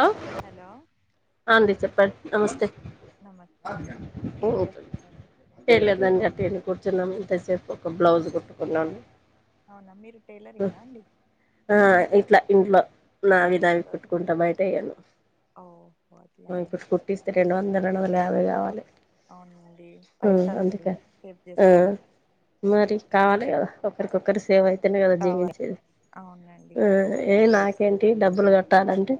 ఆ హలో ఆ అండి చెప్పండి ఆ నమస్తే చెప్- నమస్తే అండి ఏం చేస్తున్నారు ఏం లేదండి వట్టిగానే కూర్చున్నాం ఇంతసేపు ఒక బ్లౌజ్ కుట్టుకున్నాను అవున మీరు టైలరింగ్ ఆ అండి ఆ ఇట్లా ఇంట్లో నావి నావి కుట్టుకుంట బయట ఇయను ఓ [inaudible] ట్టిస్తే రెండు వందల రెండు వందల యాభై కావాలి అవునండి పైసలు అందుకే సేవ్ ఆ చేస్తున్నరు మరి కావాలి కదా ఒకరికొకరు సేవ్ అయి తిని కదా కావాలి జీవించేది అవునండి ఆ ఏ నాకేంటి డబ్బులు కట్టాలంటే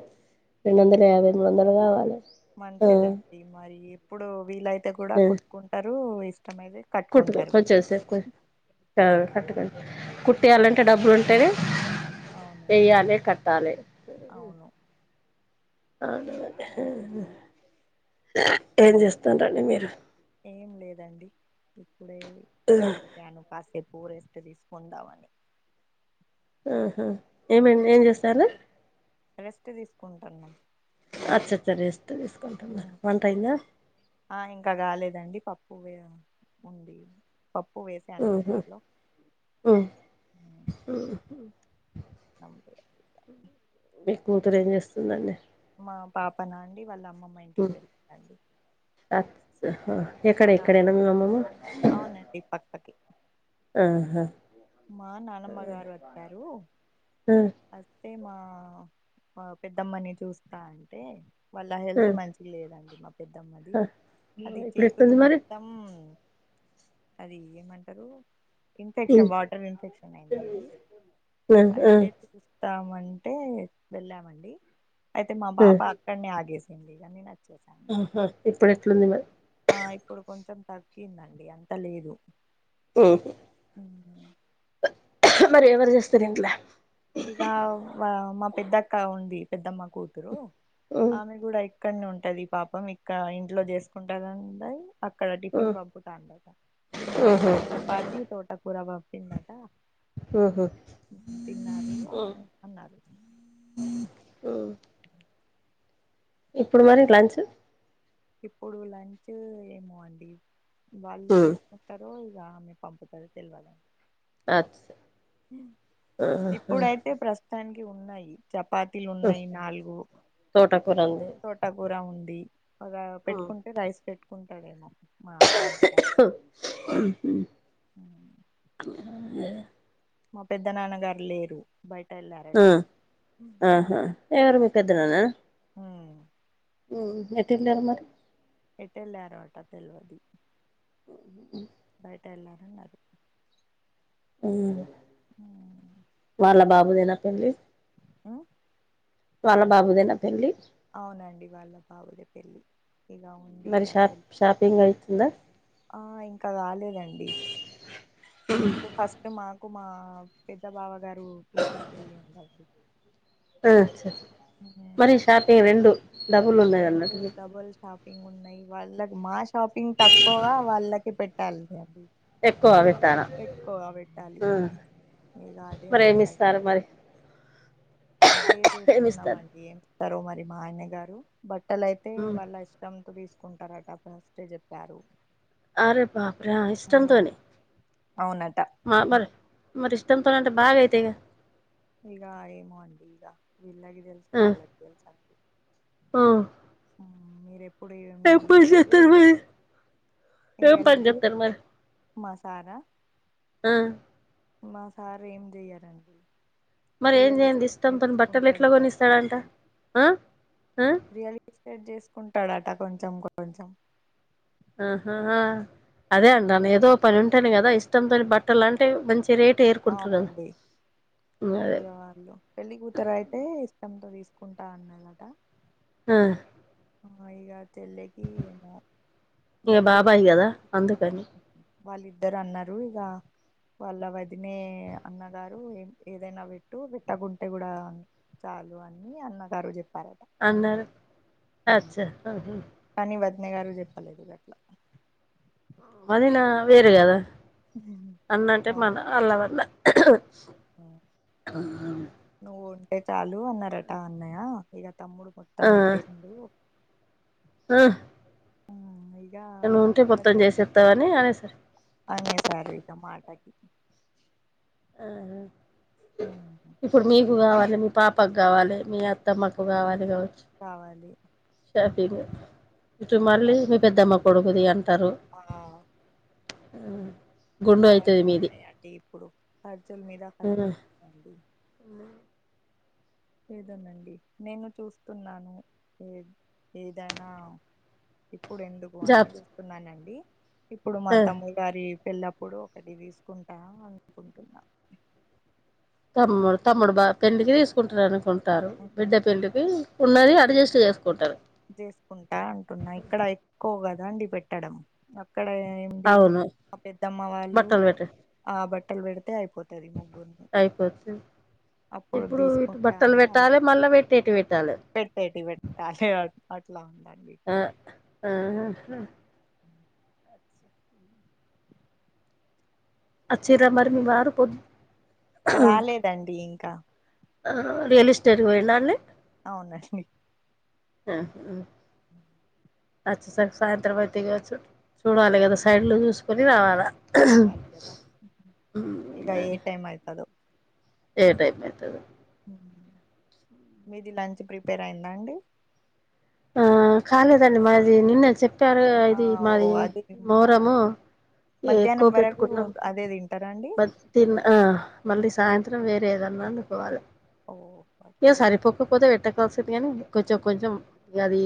రెండు ఉమ్, వందల యాభై మూడు వందలు కావాలి ఆ మంచిదండి మరి ఎప్పుడు వీలైతే కూడా కుట్టుకుంటారు ఇష్టంమైతే కట్టుకుని కొంచం సేపు ఆ, [inaudible] [inaudible] కుట్టేయాలంటే డబ్బులు ఉంటేనే అవునండి వెయ్యాలి కట్టాలి అవును అవున ఉమ్, అండి ఏం చేస్తున్నారండి మీరు ఏం లేదండి ఇప్పుడే వర్క్ కాసేపు రెస్ట్ తీసుకుందామని ఆహా ఉమ్, ఏమండి ఏం చేస్తారు రెస్ట్ తీసుకుంటున్నాం అచ్చ అచ్చ రేస్ట్ తీసుకుంటునారా వంట అయిందా ఆ ఇంకా కాలేదండి పప్పు ఉంది పప్పు వేసాను ఉహు కుక్కర్లో ఉమ్ [inaudible] మీ కూతురు ఏం చేస్తుందండి మా పాప నా అండి వాళ్ళ అమ్మమ్మ ఇంటికి వెళ్లిందండి ఎక్కడ ఎక్కడేనా నానమ్మ మీ అమ్మమ్మ అవునండి పక్క పక్కే ఆహా మా నానమ్మ గారు వచ్చారు ఆ అస్తే మా పెద్దమ్మని చూస్తా అంటే వాళ్ళ హెల్త్ మంచి లేదండి మా పెద్దమ్మది ఆ ఆ అది ఇప్పుడు చేతులు ఎట్లుంది మరి మొత్తం అది ఏమంటరు ఇన్ఫెక్షన్ వార్డ్ ఇన్ఫెక్షన్ అయిందండి ఆ ఆ అయితే చూస్తామంటే వెళ్ళామండి అయితే మా ఆ పాప అక్కడ్నే ఆగేసింది ఇగ నేనోచ్చేసా. ఆహా ఇప్పుడెట్లుంది మరి. ఆ ఇప్పుడు కొంచెం తగ్గిందండి అంత లేదు. ఉహ్ ఉ మరి ఎవరు చేస్తరు ఇంట్ల? ఇగ మా పెద్దక్క ఉంది పెద్దమ్మ కూతురు ఉమ్ ఆమె కూడా అక్కనే ఉంటది పాపం ఇక్క ఇంట్లో చేసుకుంటాడండాయ్ అక్కడ టిఫిన్ ఉమ్ పప్పుతాండట ఉహు మార్నింగ్ చప్ పాతి తోట కూరా పంపిందాట, ఉహు తిన్నారు. అట్నే అన్నారు. ఓ ఇప్పుడు మరి లంచ్? ఇప్పుడు లంచ్ ఏమో అండి. వాళ్ళే ఉమ్ చేసు కుంటరో ఇగ అమె పంపుతదో తెల్వదండి. అచ్చ ఆహా ఇప్పుడైతే ప్రస్ స్తుతానికి ఉన్నాయి. చపాతీలు ఉన్నయి నాలుగు. తోటకురా ఉంది. తోటకూర ఉంది, ఒక పెట్టుకుంటే రైస్ పెట్టుకుంటడేమో మా తమ్ముడుగా ఉమ్. మా పెద్ద నాన్నగారు లేరు బయట ఎళ్లారట. ఆ ఆహా ఎవరు మీ పెద్దనాన్నా హ్ ఎటెల్లారు మరి. ఎటేళ్ళారో అటా తెల్వది. బయట ఎళ్ళారు అన్నది. హ్ హ్ వాళ్ళ బాబుదేనా పెళ్లి? హ్ వాళ్ళ బాబుదేనా పెళ్ళి? అవునండి వాళ్ళ బాబుదే పెళ్ళి. ఇలా ఉం మరి షాప్ షాపింగ్ అయితుందా? ఆ ఇంకా కాలేదండి. ఇప్పుడు ఫస్ట్ మాకు మా పెద్ద బావగారు కూతురు పెళ్ళి ఉందండి. ఆ చెప్ ఉమ్. మరి షాపింగ్ రెండు డబుల్ ఉన్నది అన్నట్టు చెప్ డబల్ షాపింగ్ ఉన్నయి, వాళ్ళకి మా షాపింగ్ తక్కువగా వాళ్ళకి పెట్టాల్సినయి అండి ఎక్కువ పెట్టాలా ఎక్కువగా పెట్టాలి ఆ ఇగ అదే మరి ఏమి ఉంటది. ఇస్తారు మరి అదే ఏమి ఇస్తారు చూస్తున్నామండి ఏం చెస్తారో మరి మా ఆయన గారు బట్టల అయితే హ్మ్. వాళ్ళ ఇష్ ష్టం తో తీసుకుంటారట ఫస్టే చెప్పారు అరే బాపుర ఉమ్, ఇష్టంతోనే అవునట ఆ మరి మరి ఇష్టంతో అంటే బాగా అయితాయి కదా ఇగ ఏమో అండి ఇగ ఈల్లకి తెలుసు ఆ! వాళ్ళకి తెలుసు అండి ఆ! ఆ మీరెప్ ఏం పని చేత్తార్ మరి ఏం పని ఇయ్యలేదు చేత్తార్ మరి మా సారా ఆ మా సార్ ఏం చెయ్యడండి మరి ఏం చెయ్యనిది ఇష్టం తోటి బట్టల్ ఎట్లా కొనిస్తాడంట కొంచెం ఆ ఆ రియల్ ఇస్టేట్ చేసుకుంటాడట కొంచెం కొంచెం ఆహా అదే అండి అను ఏదో పని ఉంటేనే కదా ఇష్టంతోని బట్టలు లాంటివి మంచి ఏ రేటు ఎరుకుంటున్నాడు ఇయ్యవాళ్ళు పెళ్ళి కూతురు అయితే ఇష్టంతో తీసుకుంటా అన్నరట ఆ ఆ ఇగ తెల్లగి ఏమో ఇంగ డబ్బులు బాబాయి కదా ఇవ్వండి అందుకని వాళ్ళిద్దరు అన్నారు ఇగ వాళ్ళ వదినే అన్నగారు ఏదైనా పెట్టు పెట్టకుంటే కూడా చాలు అని అన్నగారు చెప్ పారట అన్నారు. మ్మ్ అచ్చా! ఆహా! కానీ వదనే గారు చెప్పలేదు గట్లా మళ్ళీ నా వేరు కదా అన్న అంటే అవును మన అల్లవన్న నువ్వు ఉంటే చాలు అన్నారట అన్నయ ఇగ తమ్ముడు ఆ మొత్తం ఎగిరిండు ఆ ఇంగ నువ్వు ఉంటే మొత్తం చేసేస్తా అని అనే సార్ అనేసారు ఇగ మాటకి ఆహ ఇప్పుడు మీకు కావాలె మీ పాపకు కావాలె మీ అత్ త్తమ్మ కు కావాలి కావచ్చు కావాలి షాపింగ్ ఇటు మళ్ళీ మీ పెద్దమ్మ కొడుకుది అంటారు ఆ మ్మ్ బాగనే ఉన్నాయిండి ఇప్పుడు ఖర్చుల మీద ఆ! ఖర్చులు ఉన్నాయండీ ఏదోనండి నేను చూస్తున్నాను ఏ ఏదైనా ఇప్పుడు ఎందుకు అన్ని జాబ్ చూస్తున్నానండి ఇప్పుడు మా ఆ! తమ్ముడు గారి పెళ్ల్ళప్పుడు ఒకటి తీసుకుంటా అనుకుంటున్నా తమ్ముడు తమ్ముడు బా పెళ్లికి తీసుకుంటారునుకుంటారు బిడ్డ పెండ్లికి ఉన్నది అడ్జస్ట్ చేసుకుంటారు చేసుకుంటా అంటున్నా ఇక్కడ ఎక్కువ కద అండి పెట్టడం అక్కడ నుండి అవును పెద్దమ్మ వాళ్ళు బట్టలు పెట్ట ఆ బట్టలు పెడితే అయిపో తది ముగ్గురుది అయిపోతుంది అప్పుడు ఇప్పుడు ఇటు తీసుకుంటా బట్టలు అని అలా పెట్టాలి మళ్ళా పెట్టేటి పెట్టాలి పెట్టేటి పెట్టాలి అట్ల ఉందండి ఆ ఇక్కడ ఆహా అ అచ్చిర్రా అట్లా మరి మీ వారు పోద్ రాలేదండి ఇంకా ఆ రియల్ ఎస్టేట్కి పోయిండా అండి అవునండి ఆహా అచ్చేసరికి సాయంత్రం అయితది గావచ్చు చూడాలి గదా సైడ్లు ఏమవుతుంది? చూసుకొని రావాలా ఇగ ఏ టైమ్ అయితదొ ఏ టైమ్ అయితదో ఉమ్ మీది లంచ్ ప్రిపేర్ అయిందా అండి ఆ కాలేదండి మాది నిన్నట్ చట్ ఆ ఓ అదే మ మధ్యాహ్నం ఎక్కువ వరకు పెట్టుకున్నాం అదే తింటరా అండి బట్ తిన్న ఆ మళ్ళీ సాయంత్రం వేరే ఏదన్నా వండుకోవాలి ఓ ఇగ అట్లానా సరిపోక్ కపోతే పెట్కోఆల్సింది గనీ ఇగదీ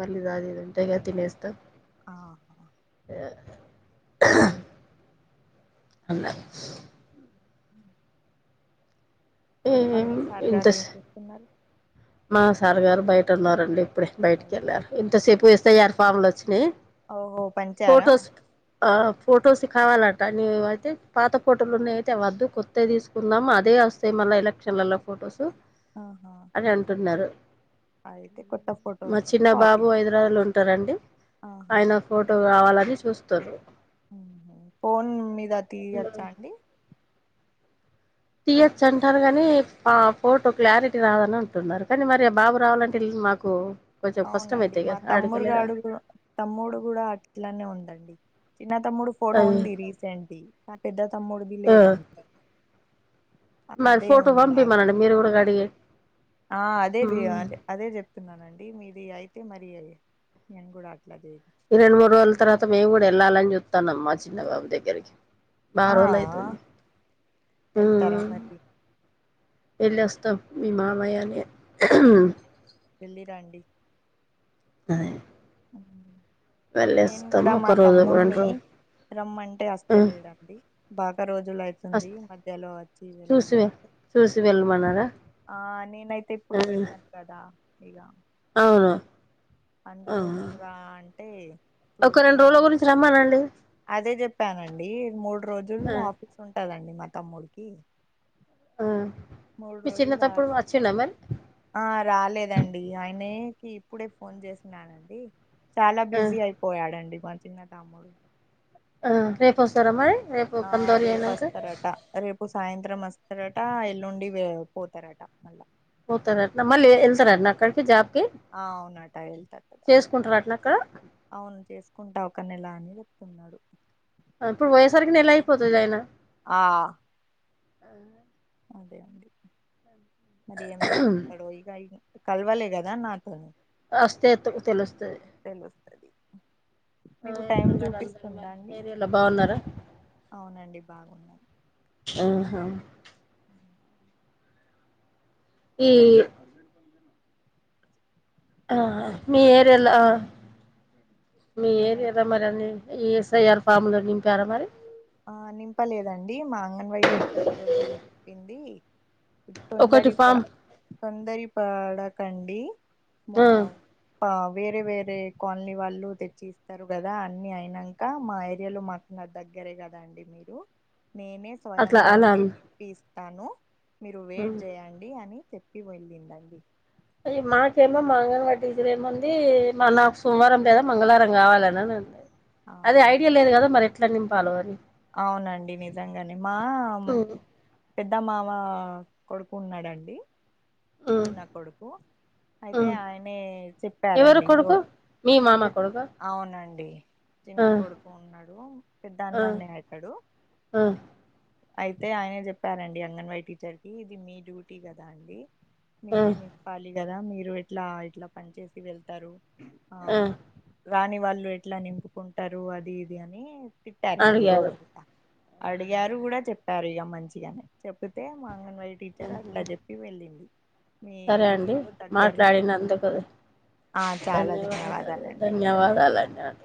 మళ్ళీది ఆది ఇది ఉంటయి గద తినేస్తా ఆహ ఆ అల్ల అ ఇంకా మీ సార్ గారు ఇంత ఏం చేస్తున్నారు మా సార్ గారు బయట ఉన్నారండి ఇప్పుడే బయట బయటికెళ్ళారు ఇంతసేపు ఎఫ్ ఐ ఆర్ ఫామ్లు వచ్చినయి ఓహో పంచారా ఫోటోస్ ఆ ఫొటోస్ కావాలంట నీవు అయితే పాత ఫోటోలున్నయయితే వద్దు కొత్తయ్ దీసుకుందాము అదే అస్ తయ్ మళ్ళ ఎలక్షన్లల్ల ఫోటోస్ ఆహా అని అంటున్నరు అయితే కొత్త మా ఫొటోస్ కి చిన్న కాపీ బాబు హైదరాబా ల ఉంటరండి ఆహా ఆయన ఫ్ ఫోటో గావాలని చూస్తుర్రు ఫోన్ మీద తీయచ్చా అండి తీయచ్ అంటార్రు గని ఆ ఫోటో క్లారిటీ రాదని అంటున్నరు కనీ మరి బాబు రావాలంటే మాకు కు అవునండి మా తమ్మురు గాడు గుడ తమ్ముడు గూడ అట్లానే ఉండండి చిన్న తమ్ముడు ఫ్ ఫోటో ఉంది వెళ్ళడం రీసెంట్ ది మా పెద్ద తమ్ముడిది లేదండి అదే ఉండి నాక్కుడ ది గూడ గడిగెయ్ ఆ అదే జె అంటె అదే చెప్తున్నానండి మీది అయితే మరీ నేను గూడ అట్లా జేయిద్ద రెండు మూడు రోజుల తర్వాత మేము గూడా ఎళ్ళాలని చెప్తాన్నం మా చిన్నబాబు దగ్గరికి బాగ ఆ రోజులయితుంది వెళ్తారా మరి వెల్లోస్తాం మీ మామయ నేను వెళ్ళి రండి అ అవున నేను కుడా మా ఒక రోజు రెండు తమ్మున్ని రోజు రమ్మంటే అస్తలేడండి. బాగా రోజులు వస్ అవుతుంది మధ్యలో వచ్చి చూసి వెళ్ళండి అంటే. చూసి వెళ్ళమన్నారా ఆ నేనైతే ఇప్పుడు వెళ్ళను కదా ఇగ. అవును అందుకోసం రా అంటే ఒక రెండు చూస్తా రోజుల గురించి రమ్మనండి అదే చెప్పానండి, మూడు రోజులు ఆఫీస్ ఉంటదండి మా తమ్ముడికి. ఆ మూడు మీ చిన్న రోజులు ఆ తప్పుడు అచ్చిండ మరి? ఆ రాలేదండి ఆయనేకి ఇప్పుడే ఫోన్ చేసినానండి. చాలా బిజీ అయిపోయాడండి మా చిన్న తమ్ముడు. ఆ రేపస్తరా మరి? రేపు ఆ కందోలి రేపు అయినాక అస్తరట. రేపు సాయంత్రం అస్తరట, ఎల్లుండి వే పోతరట మళ్ళా. పోతరటన మళ్ళీ ఎళ్తరటనా అక్కడికి జాబ్కి? ఆ అవునట ఎళ్తరట. చేసుకుంటారటనా అక్కడ అవును చేసుకుంటా ఒక నెల అని చెప్తున్నడు. ఇప్పుడు పోయేసరికి నెల అయిపోతది ఆయినా. ఆ ఆ అదే అండి మరి ఏం చెప్తడో ఇగ కలవలే కదా నాతోని అస్తే ఎత్తుకు తెలుస్తది తెలుస్తది ఆ మీకు టైం ఎట్లున్నారు అందరు చూపిస్తుందా మరి అండి? ఏరియాలో బాగున్నారా అవునండి బాగున్నా. ఆహా అ ఈ ఆ మీ ఏరలా మీ ఏరియాలో ఏమైనా మరెన్ని ఈ ఎస్ ఐ ఆర్ ఫామ్ లు నింపారా మరి? ఆ నింపలేదండి, మా అంగన్వాడి టీచర్ ఈరోజు చెప్పింది ఒకటి తొందరి పా ఫామ్ తొందరి పాడకండి మా ఆ ఆ వేరే వేరే కాలనీ వాళ్ళు తెచ్చి ఇస్తరు కదా, అన్ని అయినంక మా ఏరియాలో మాకు నా దగ్ గరే కదాండి మీరు నేనే అట్లా స్వయంగా అలా ఉండి అ తిప్పి ఇస్తాను. మీరు వెయిట్ చేయండి అని చెప్పి వెళ్ళిందండి. అ మాకేమో మా అంగన్వాడి టీచరేమంది, మల్ల నాకు సోమవారం లేదా మంగళవారం కావాలనన్నా ఆ ఐడియా లేదు కదా మరి ఎట్లా నింపాలో అని అవునండి నిజంగనే మా హ్మ్ పెద్ద మావ కొడుకు ఉన్నాడండి హ్మ్ చిన్న కొడుకు అయితే హ్మ్ ఆయనే ఎవరు చెప్పారండి కొడుకు మీ మామ కొడుకా అవునండి చిన్న ఆ కొడుకు ఉన్నాడు, పెద్ద ఆ అన్న ఉండే హై రు ఆ అయితే ఆయనే చెప్పారండి అంగన్వాడి టీచర్ కి, ఇది మీ డ్యూటీ కదా అండి. ఆ మీరే నింపాలి కదా, మీరు ఎట్లా ఇట్లా పని చేసి వెళ్తరు ఆ ఆమ్ రాని వాళ్ళు ఎట్లా నింపుకుంటారు అది ఇది అని తిట్టారండి రోడ్ అడిగారు అడిగారు కూడా చెప్పారు ఇగ మంచిగానే చెప్పితే మాంగన్వై టీచర్ ఆహా! అట్లా చెప్పి వెళ్ళింది మీ సరే అండి ఇల్లులో దగ్గరే మాట్లాడినందుకు ఆ చాలా ధన్యవాదాలు ధన్యవాదాలండి ధన్యవాదాలండి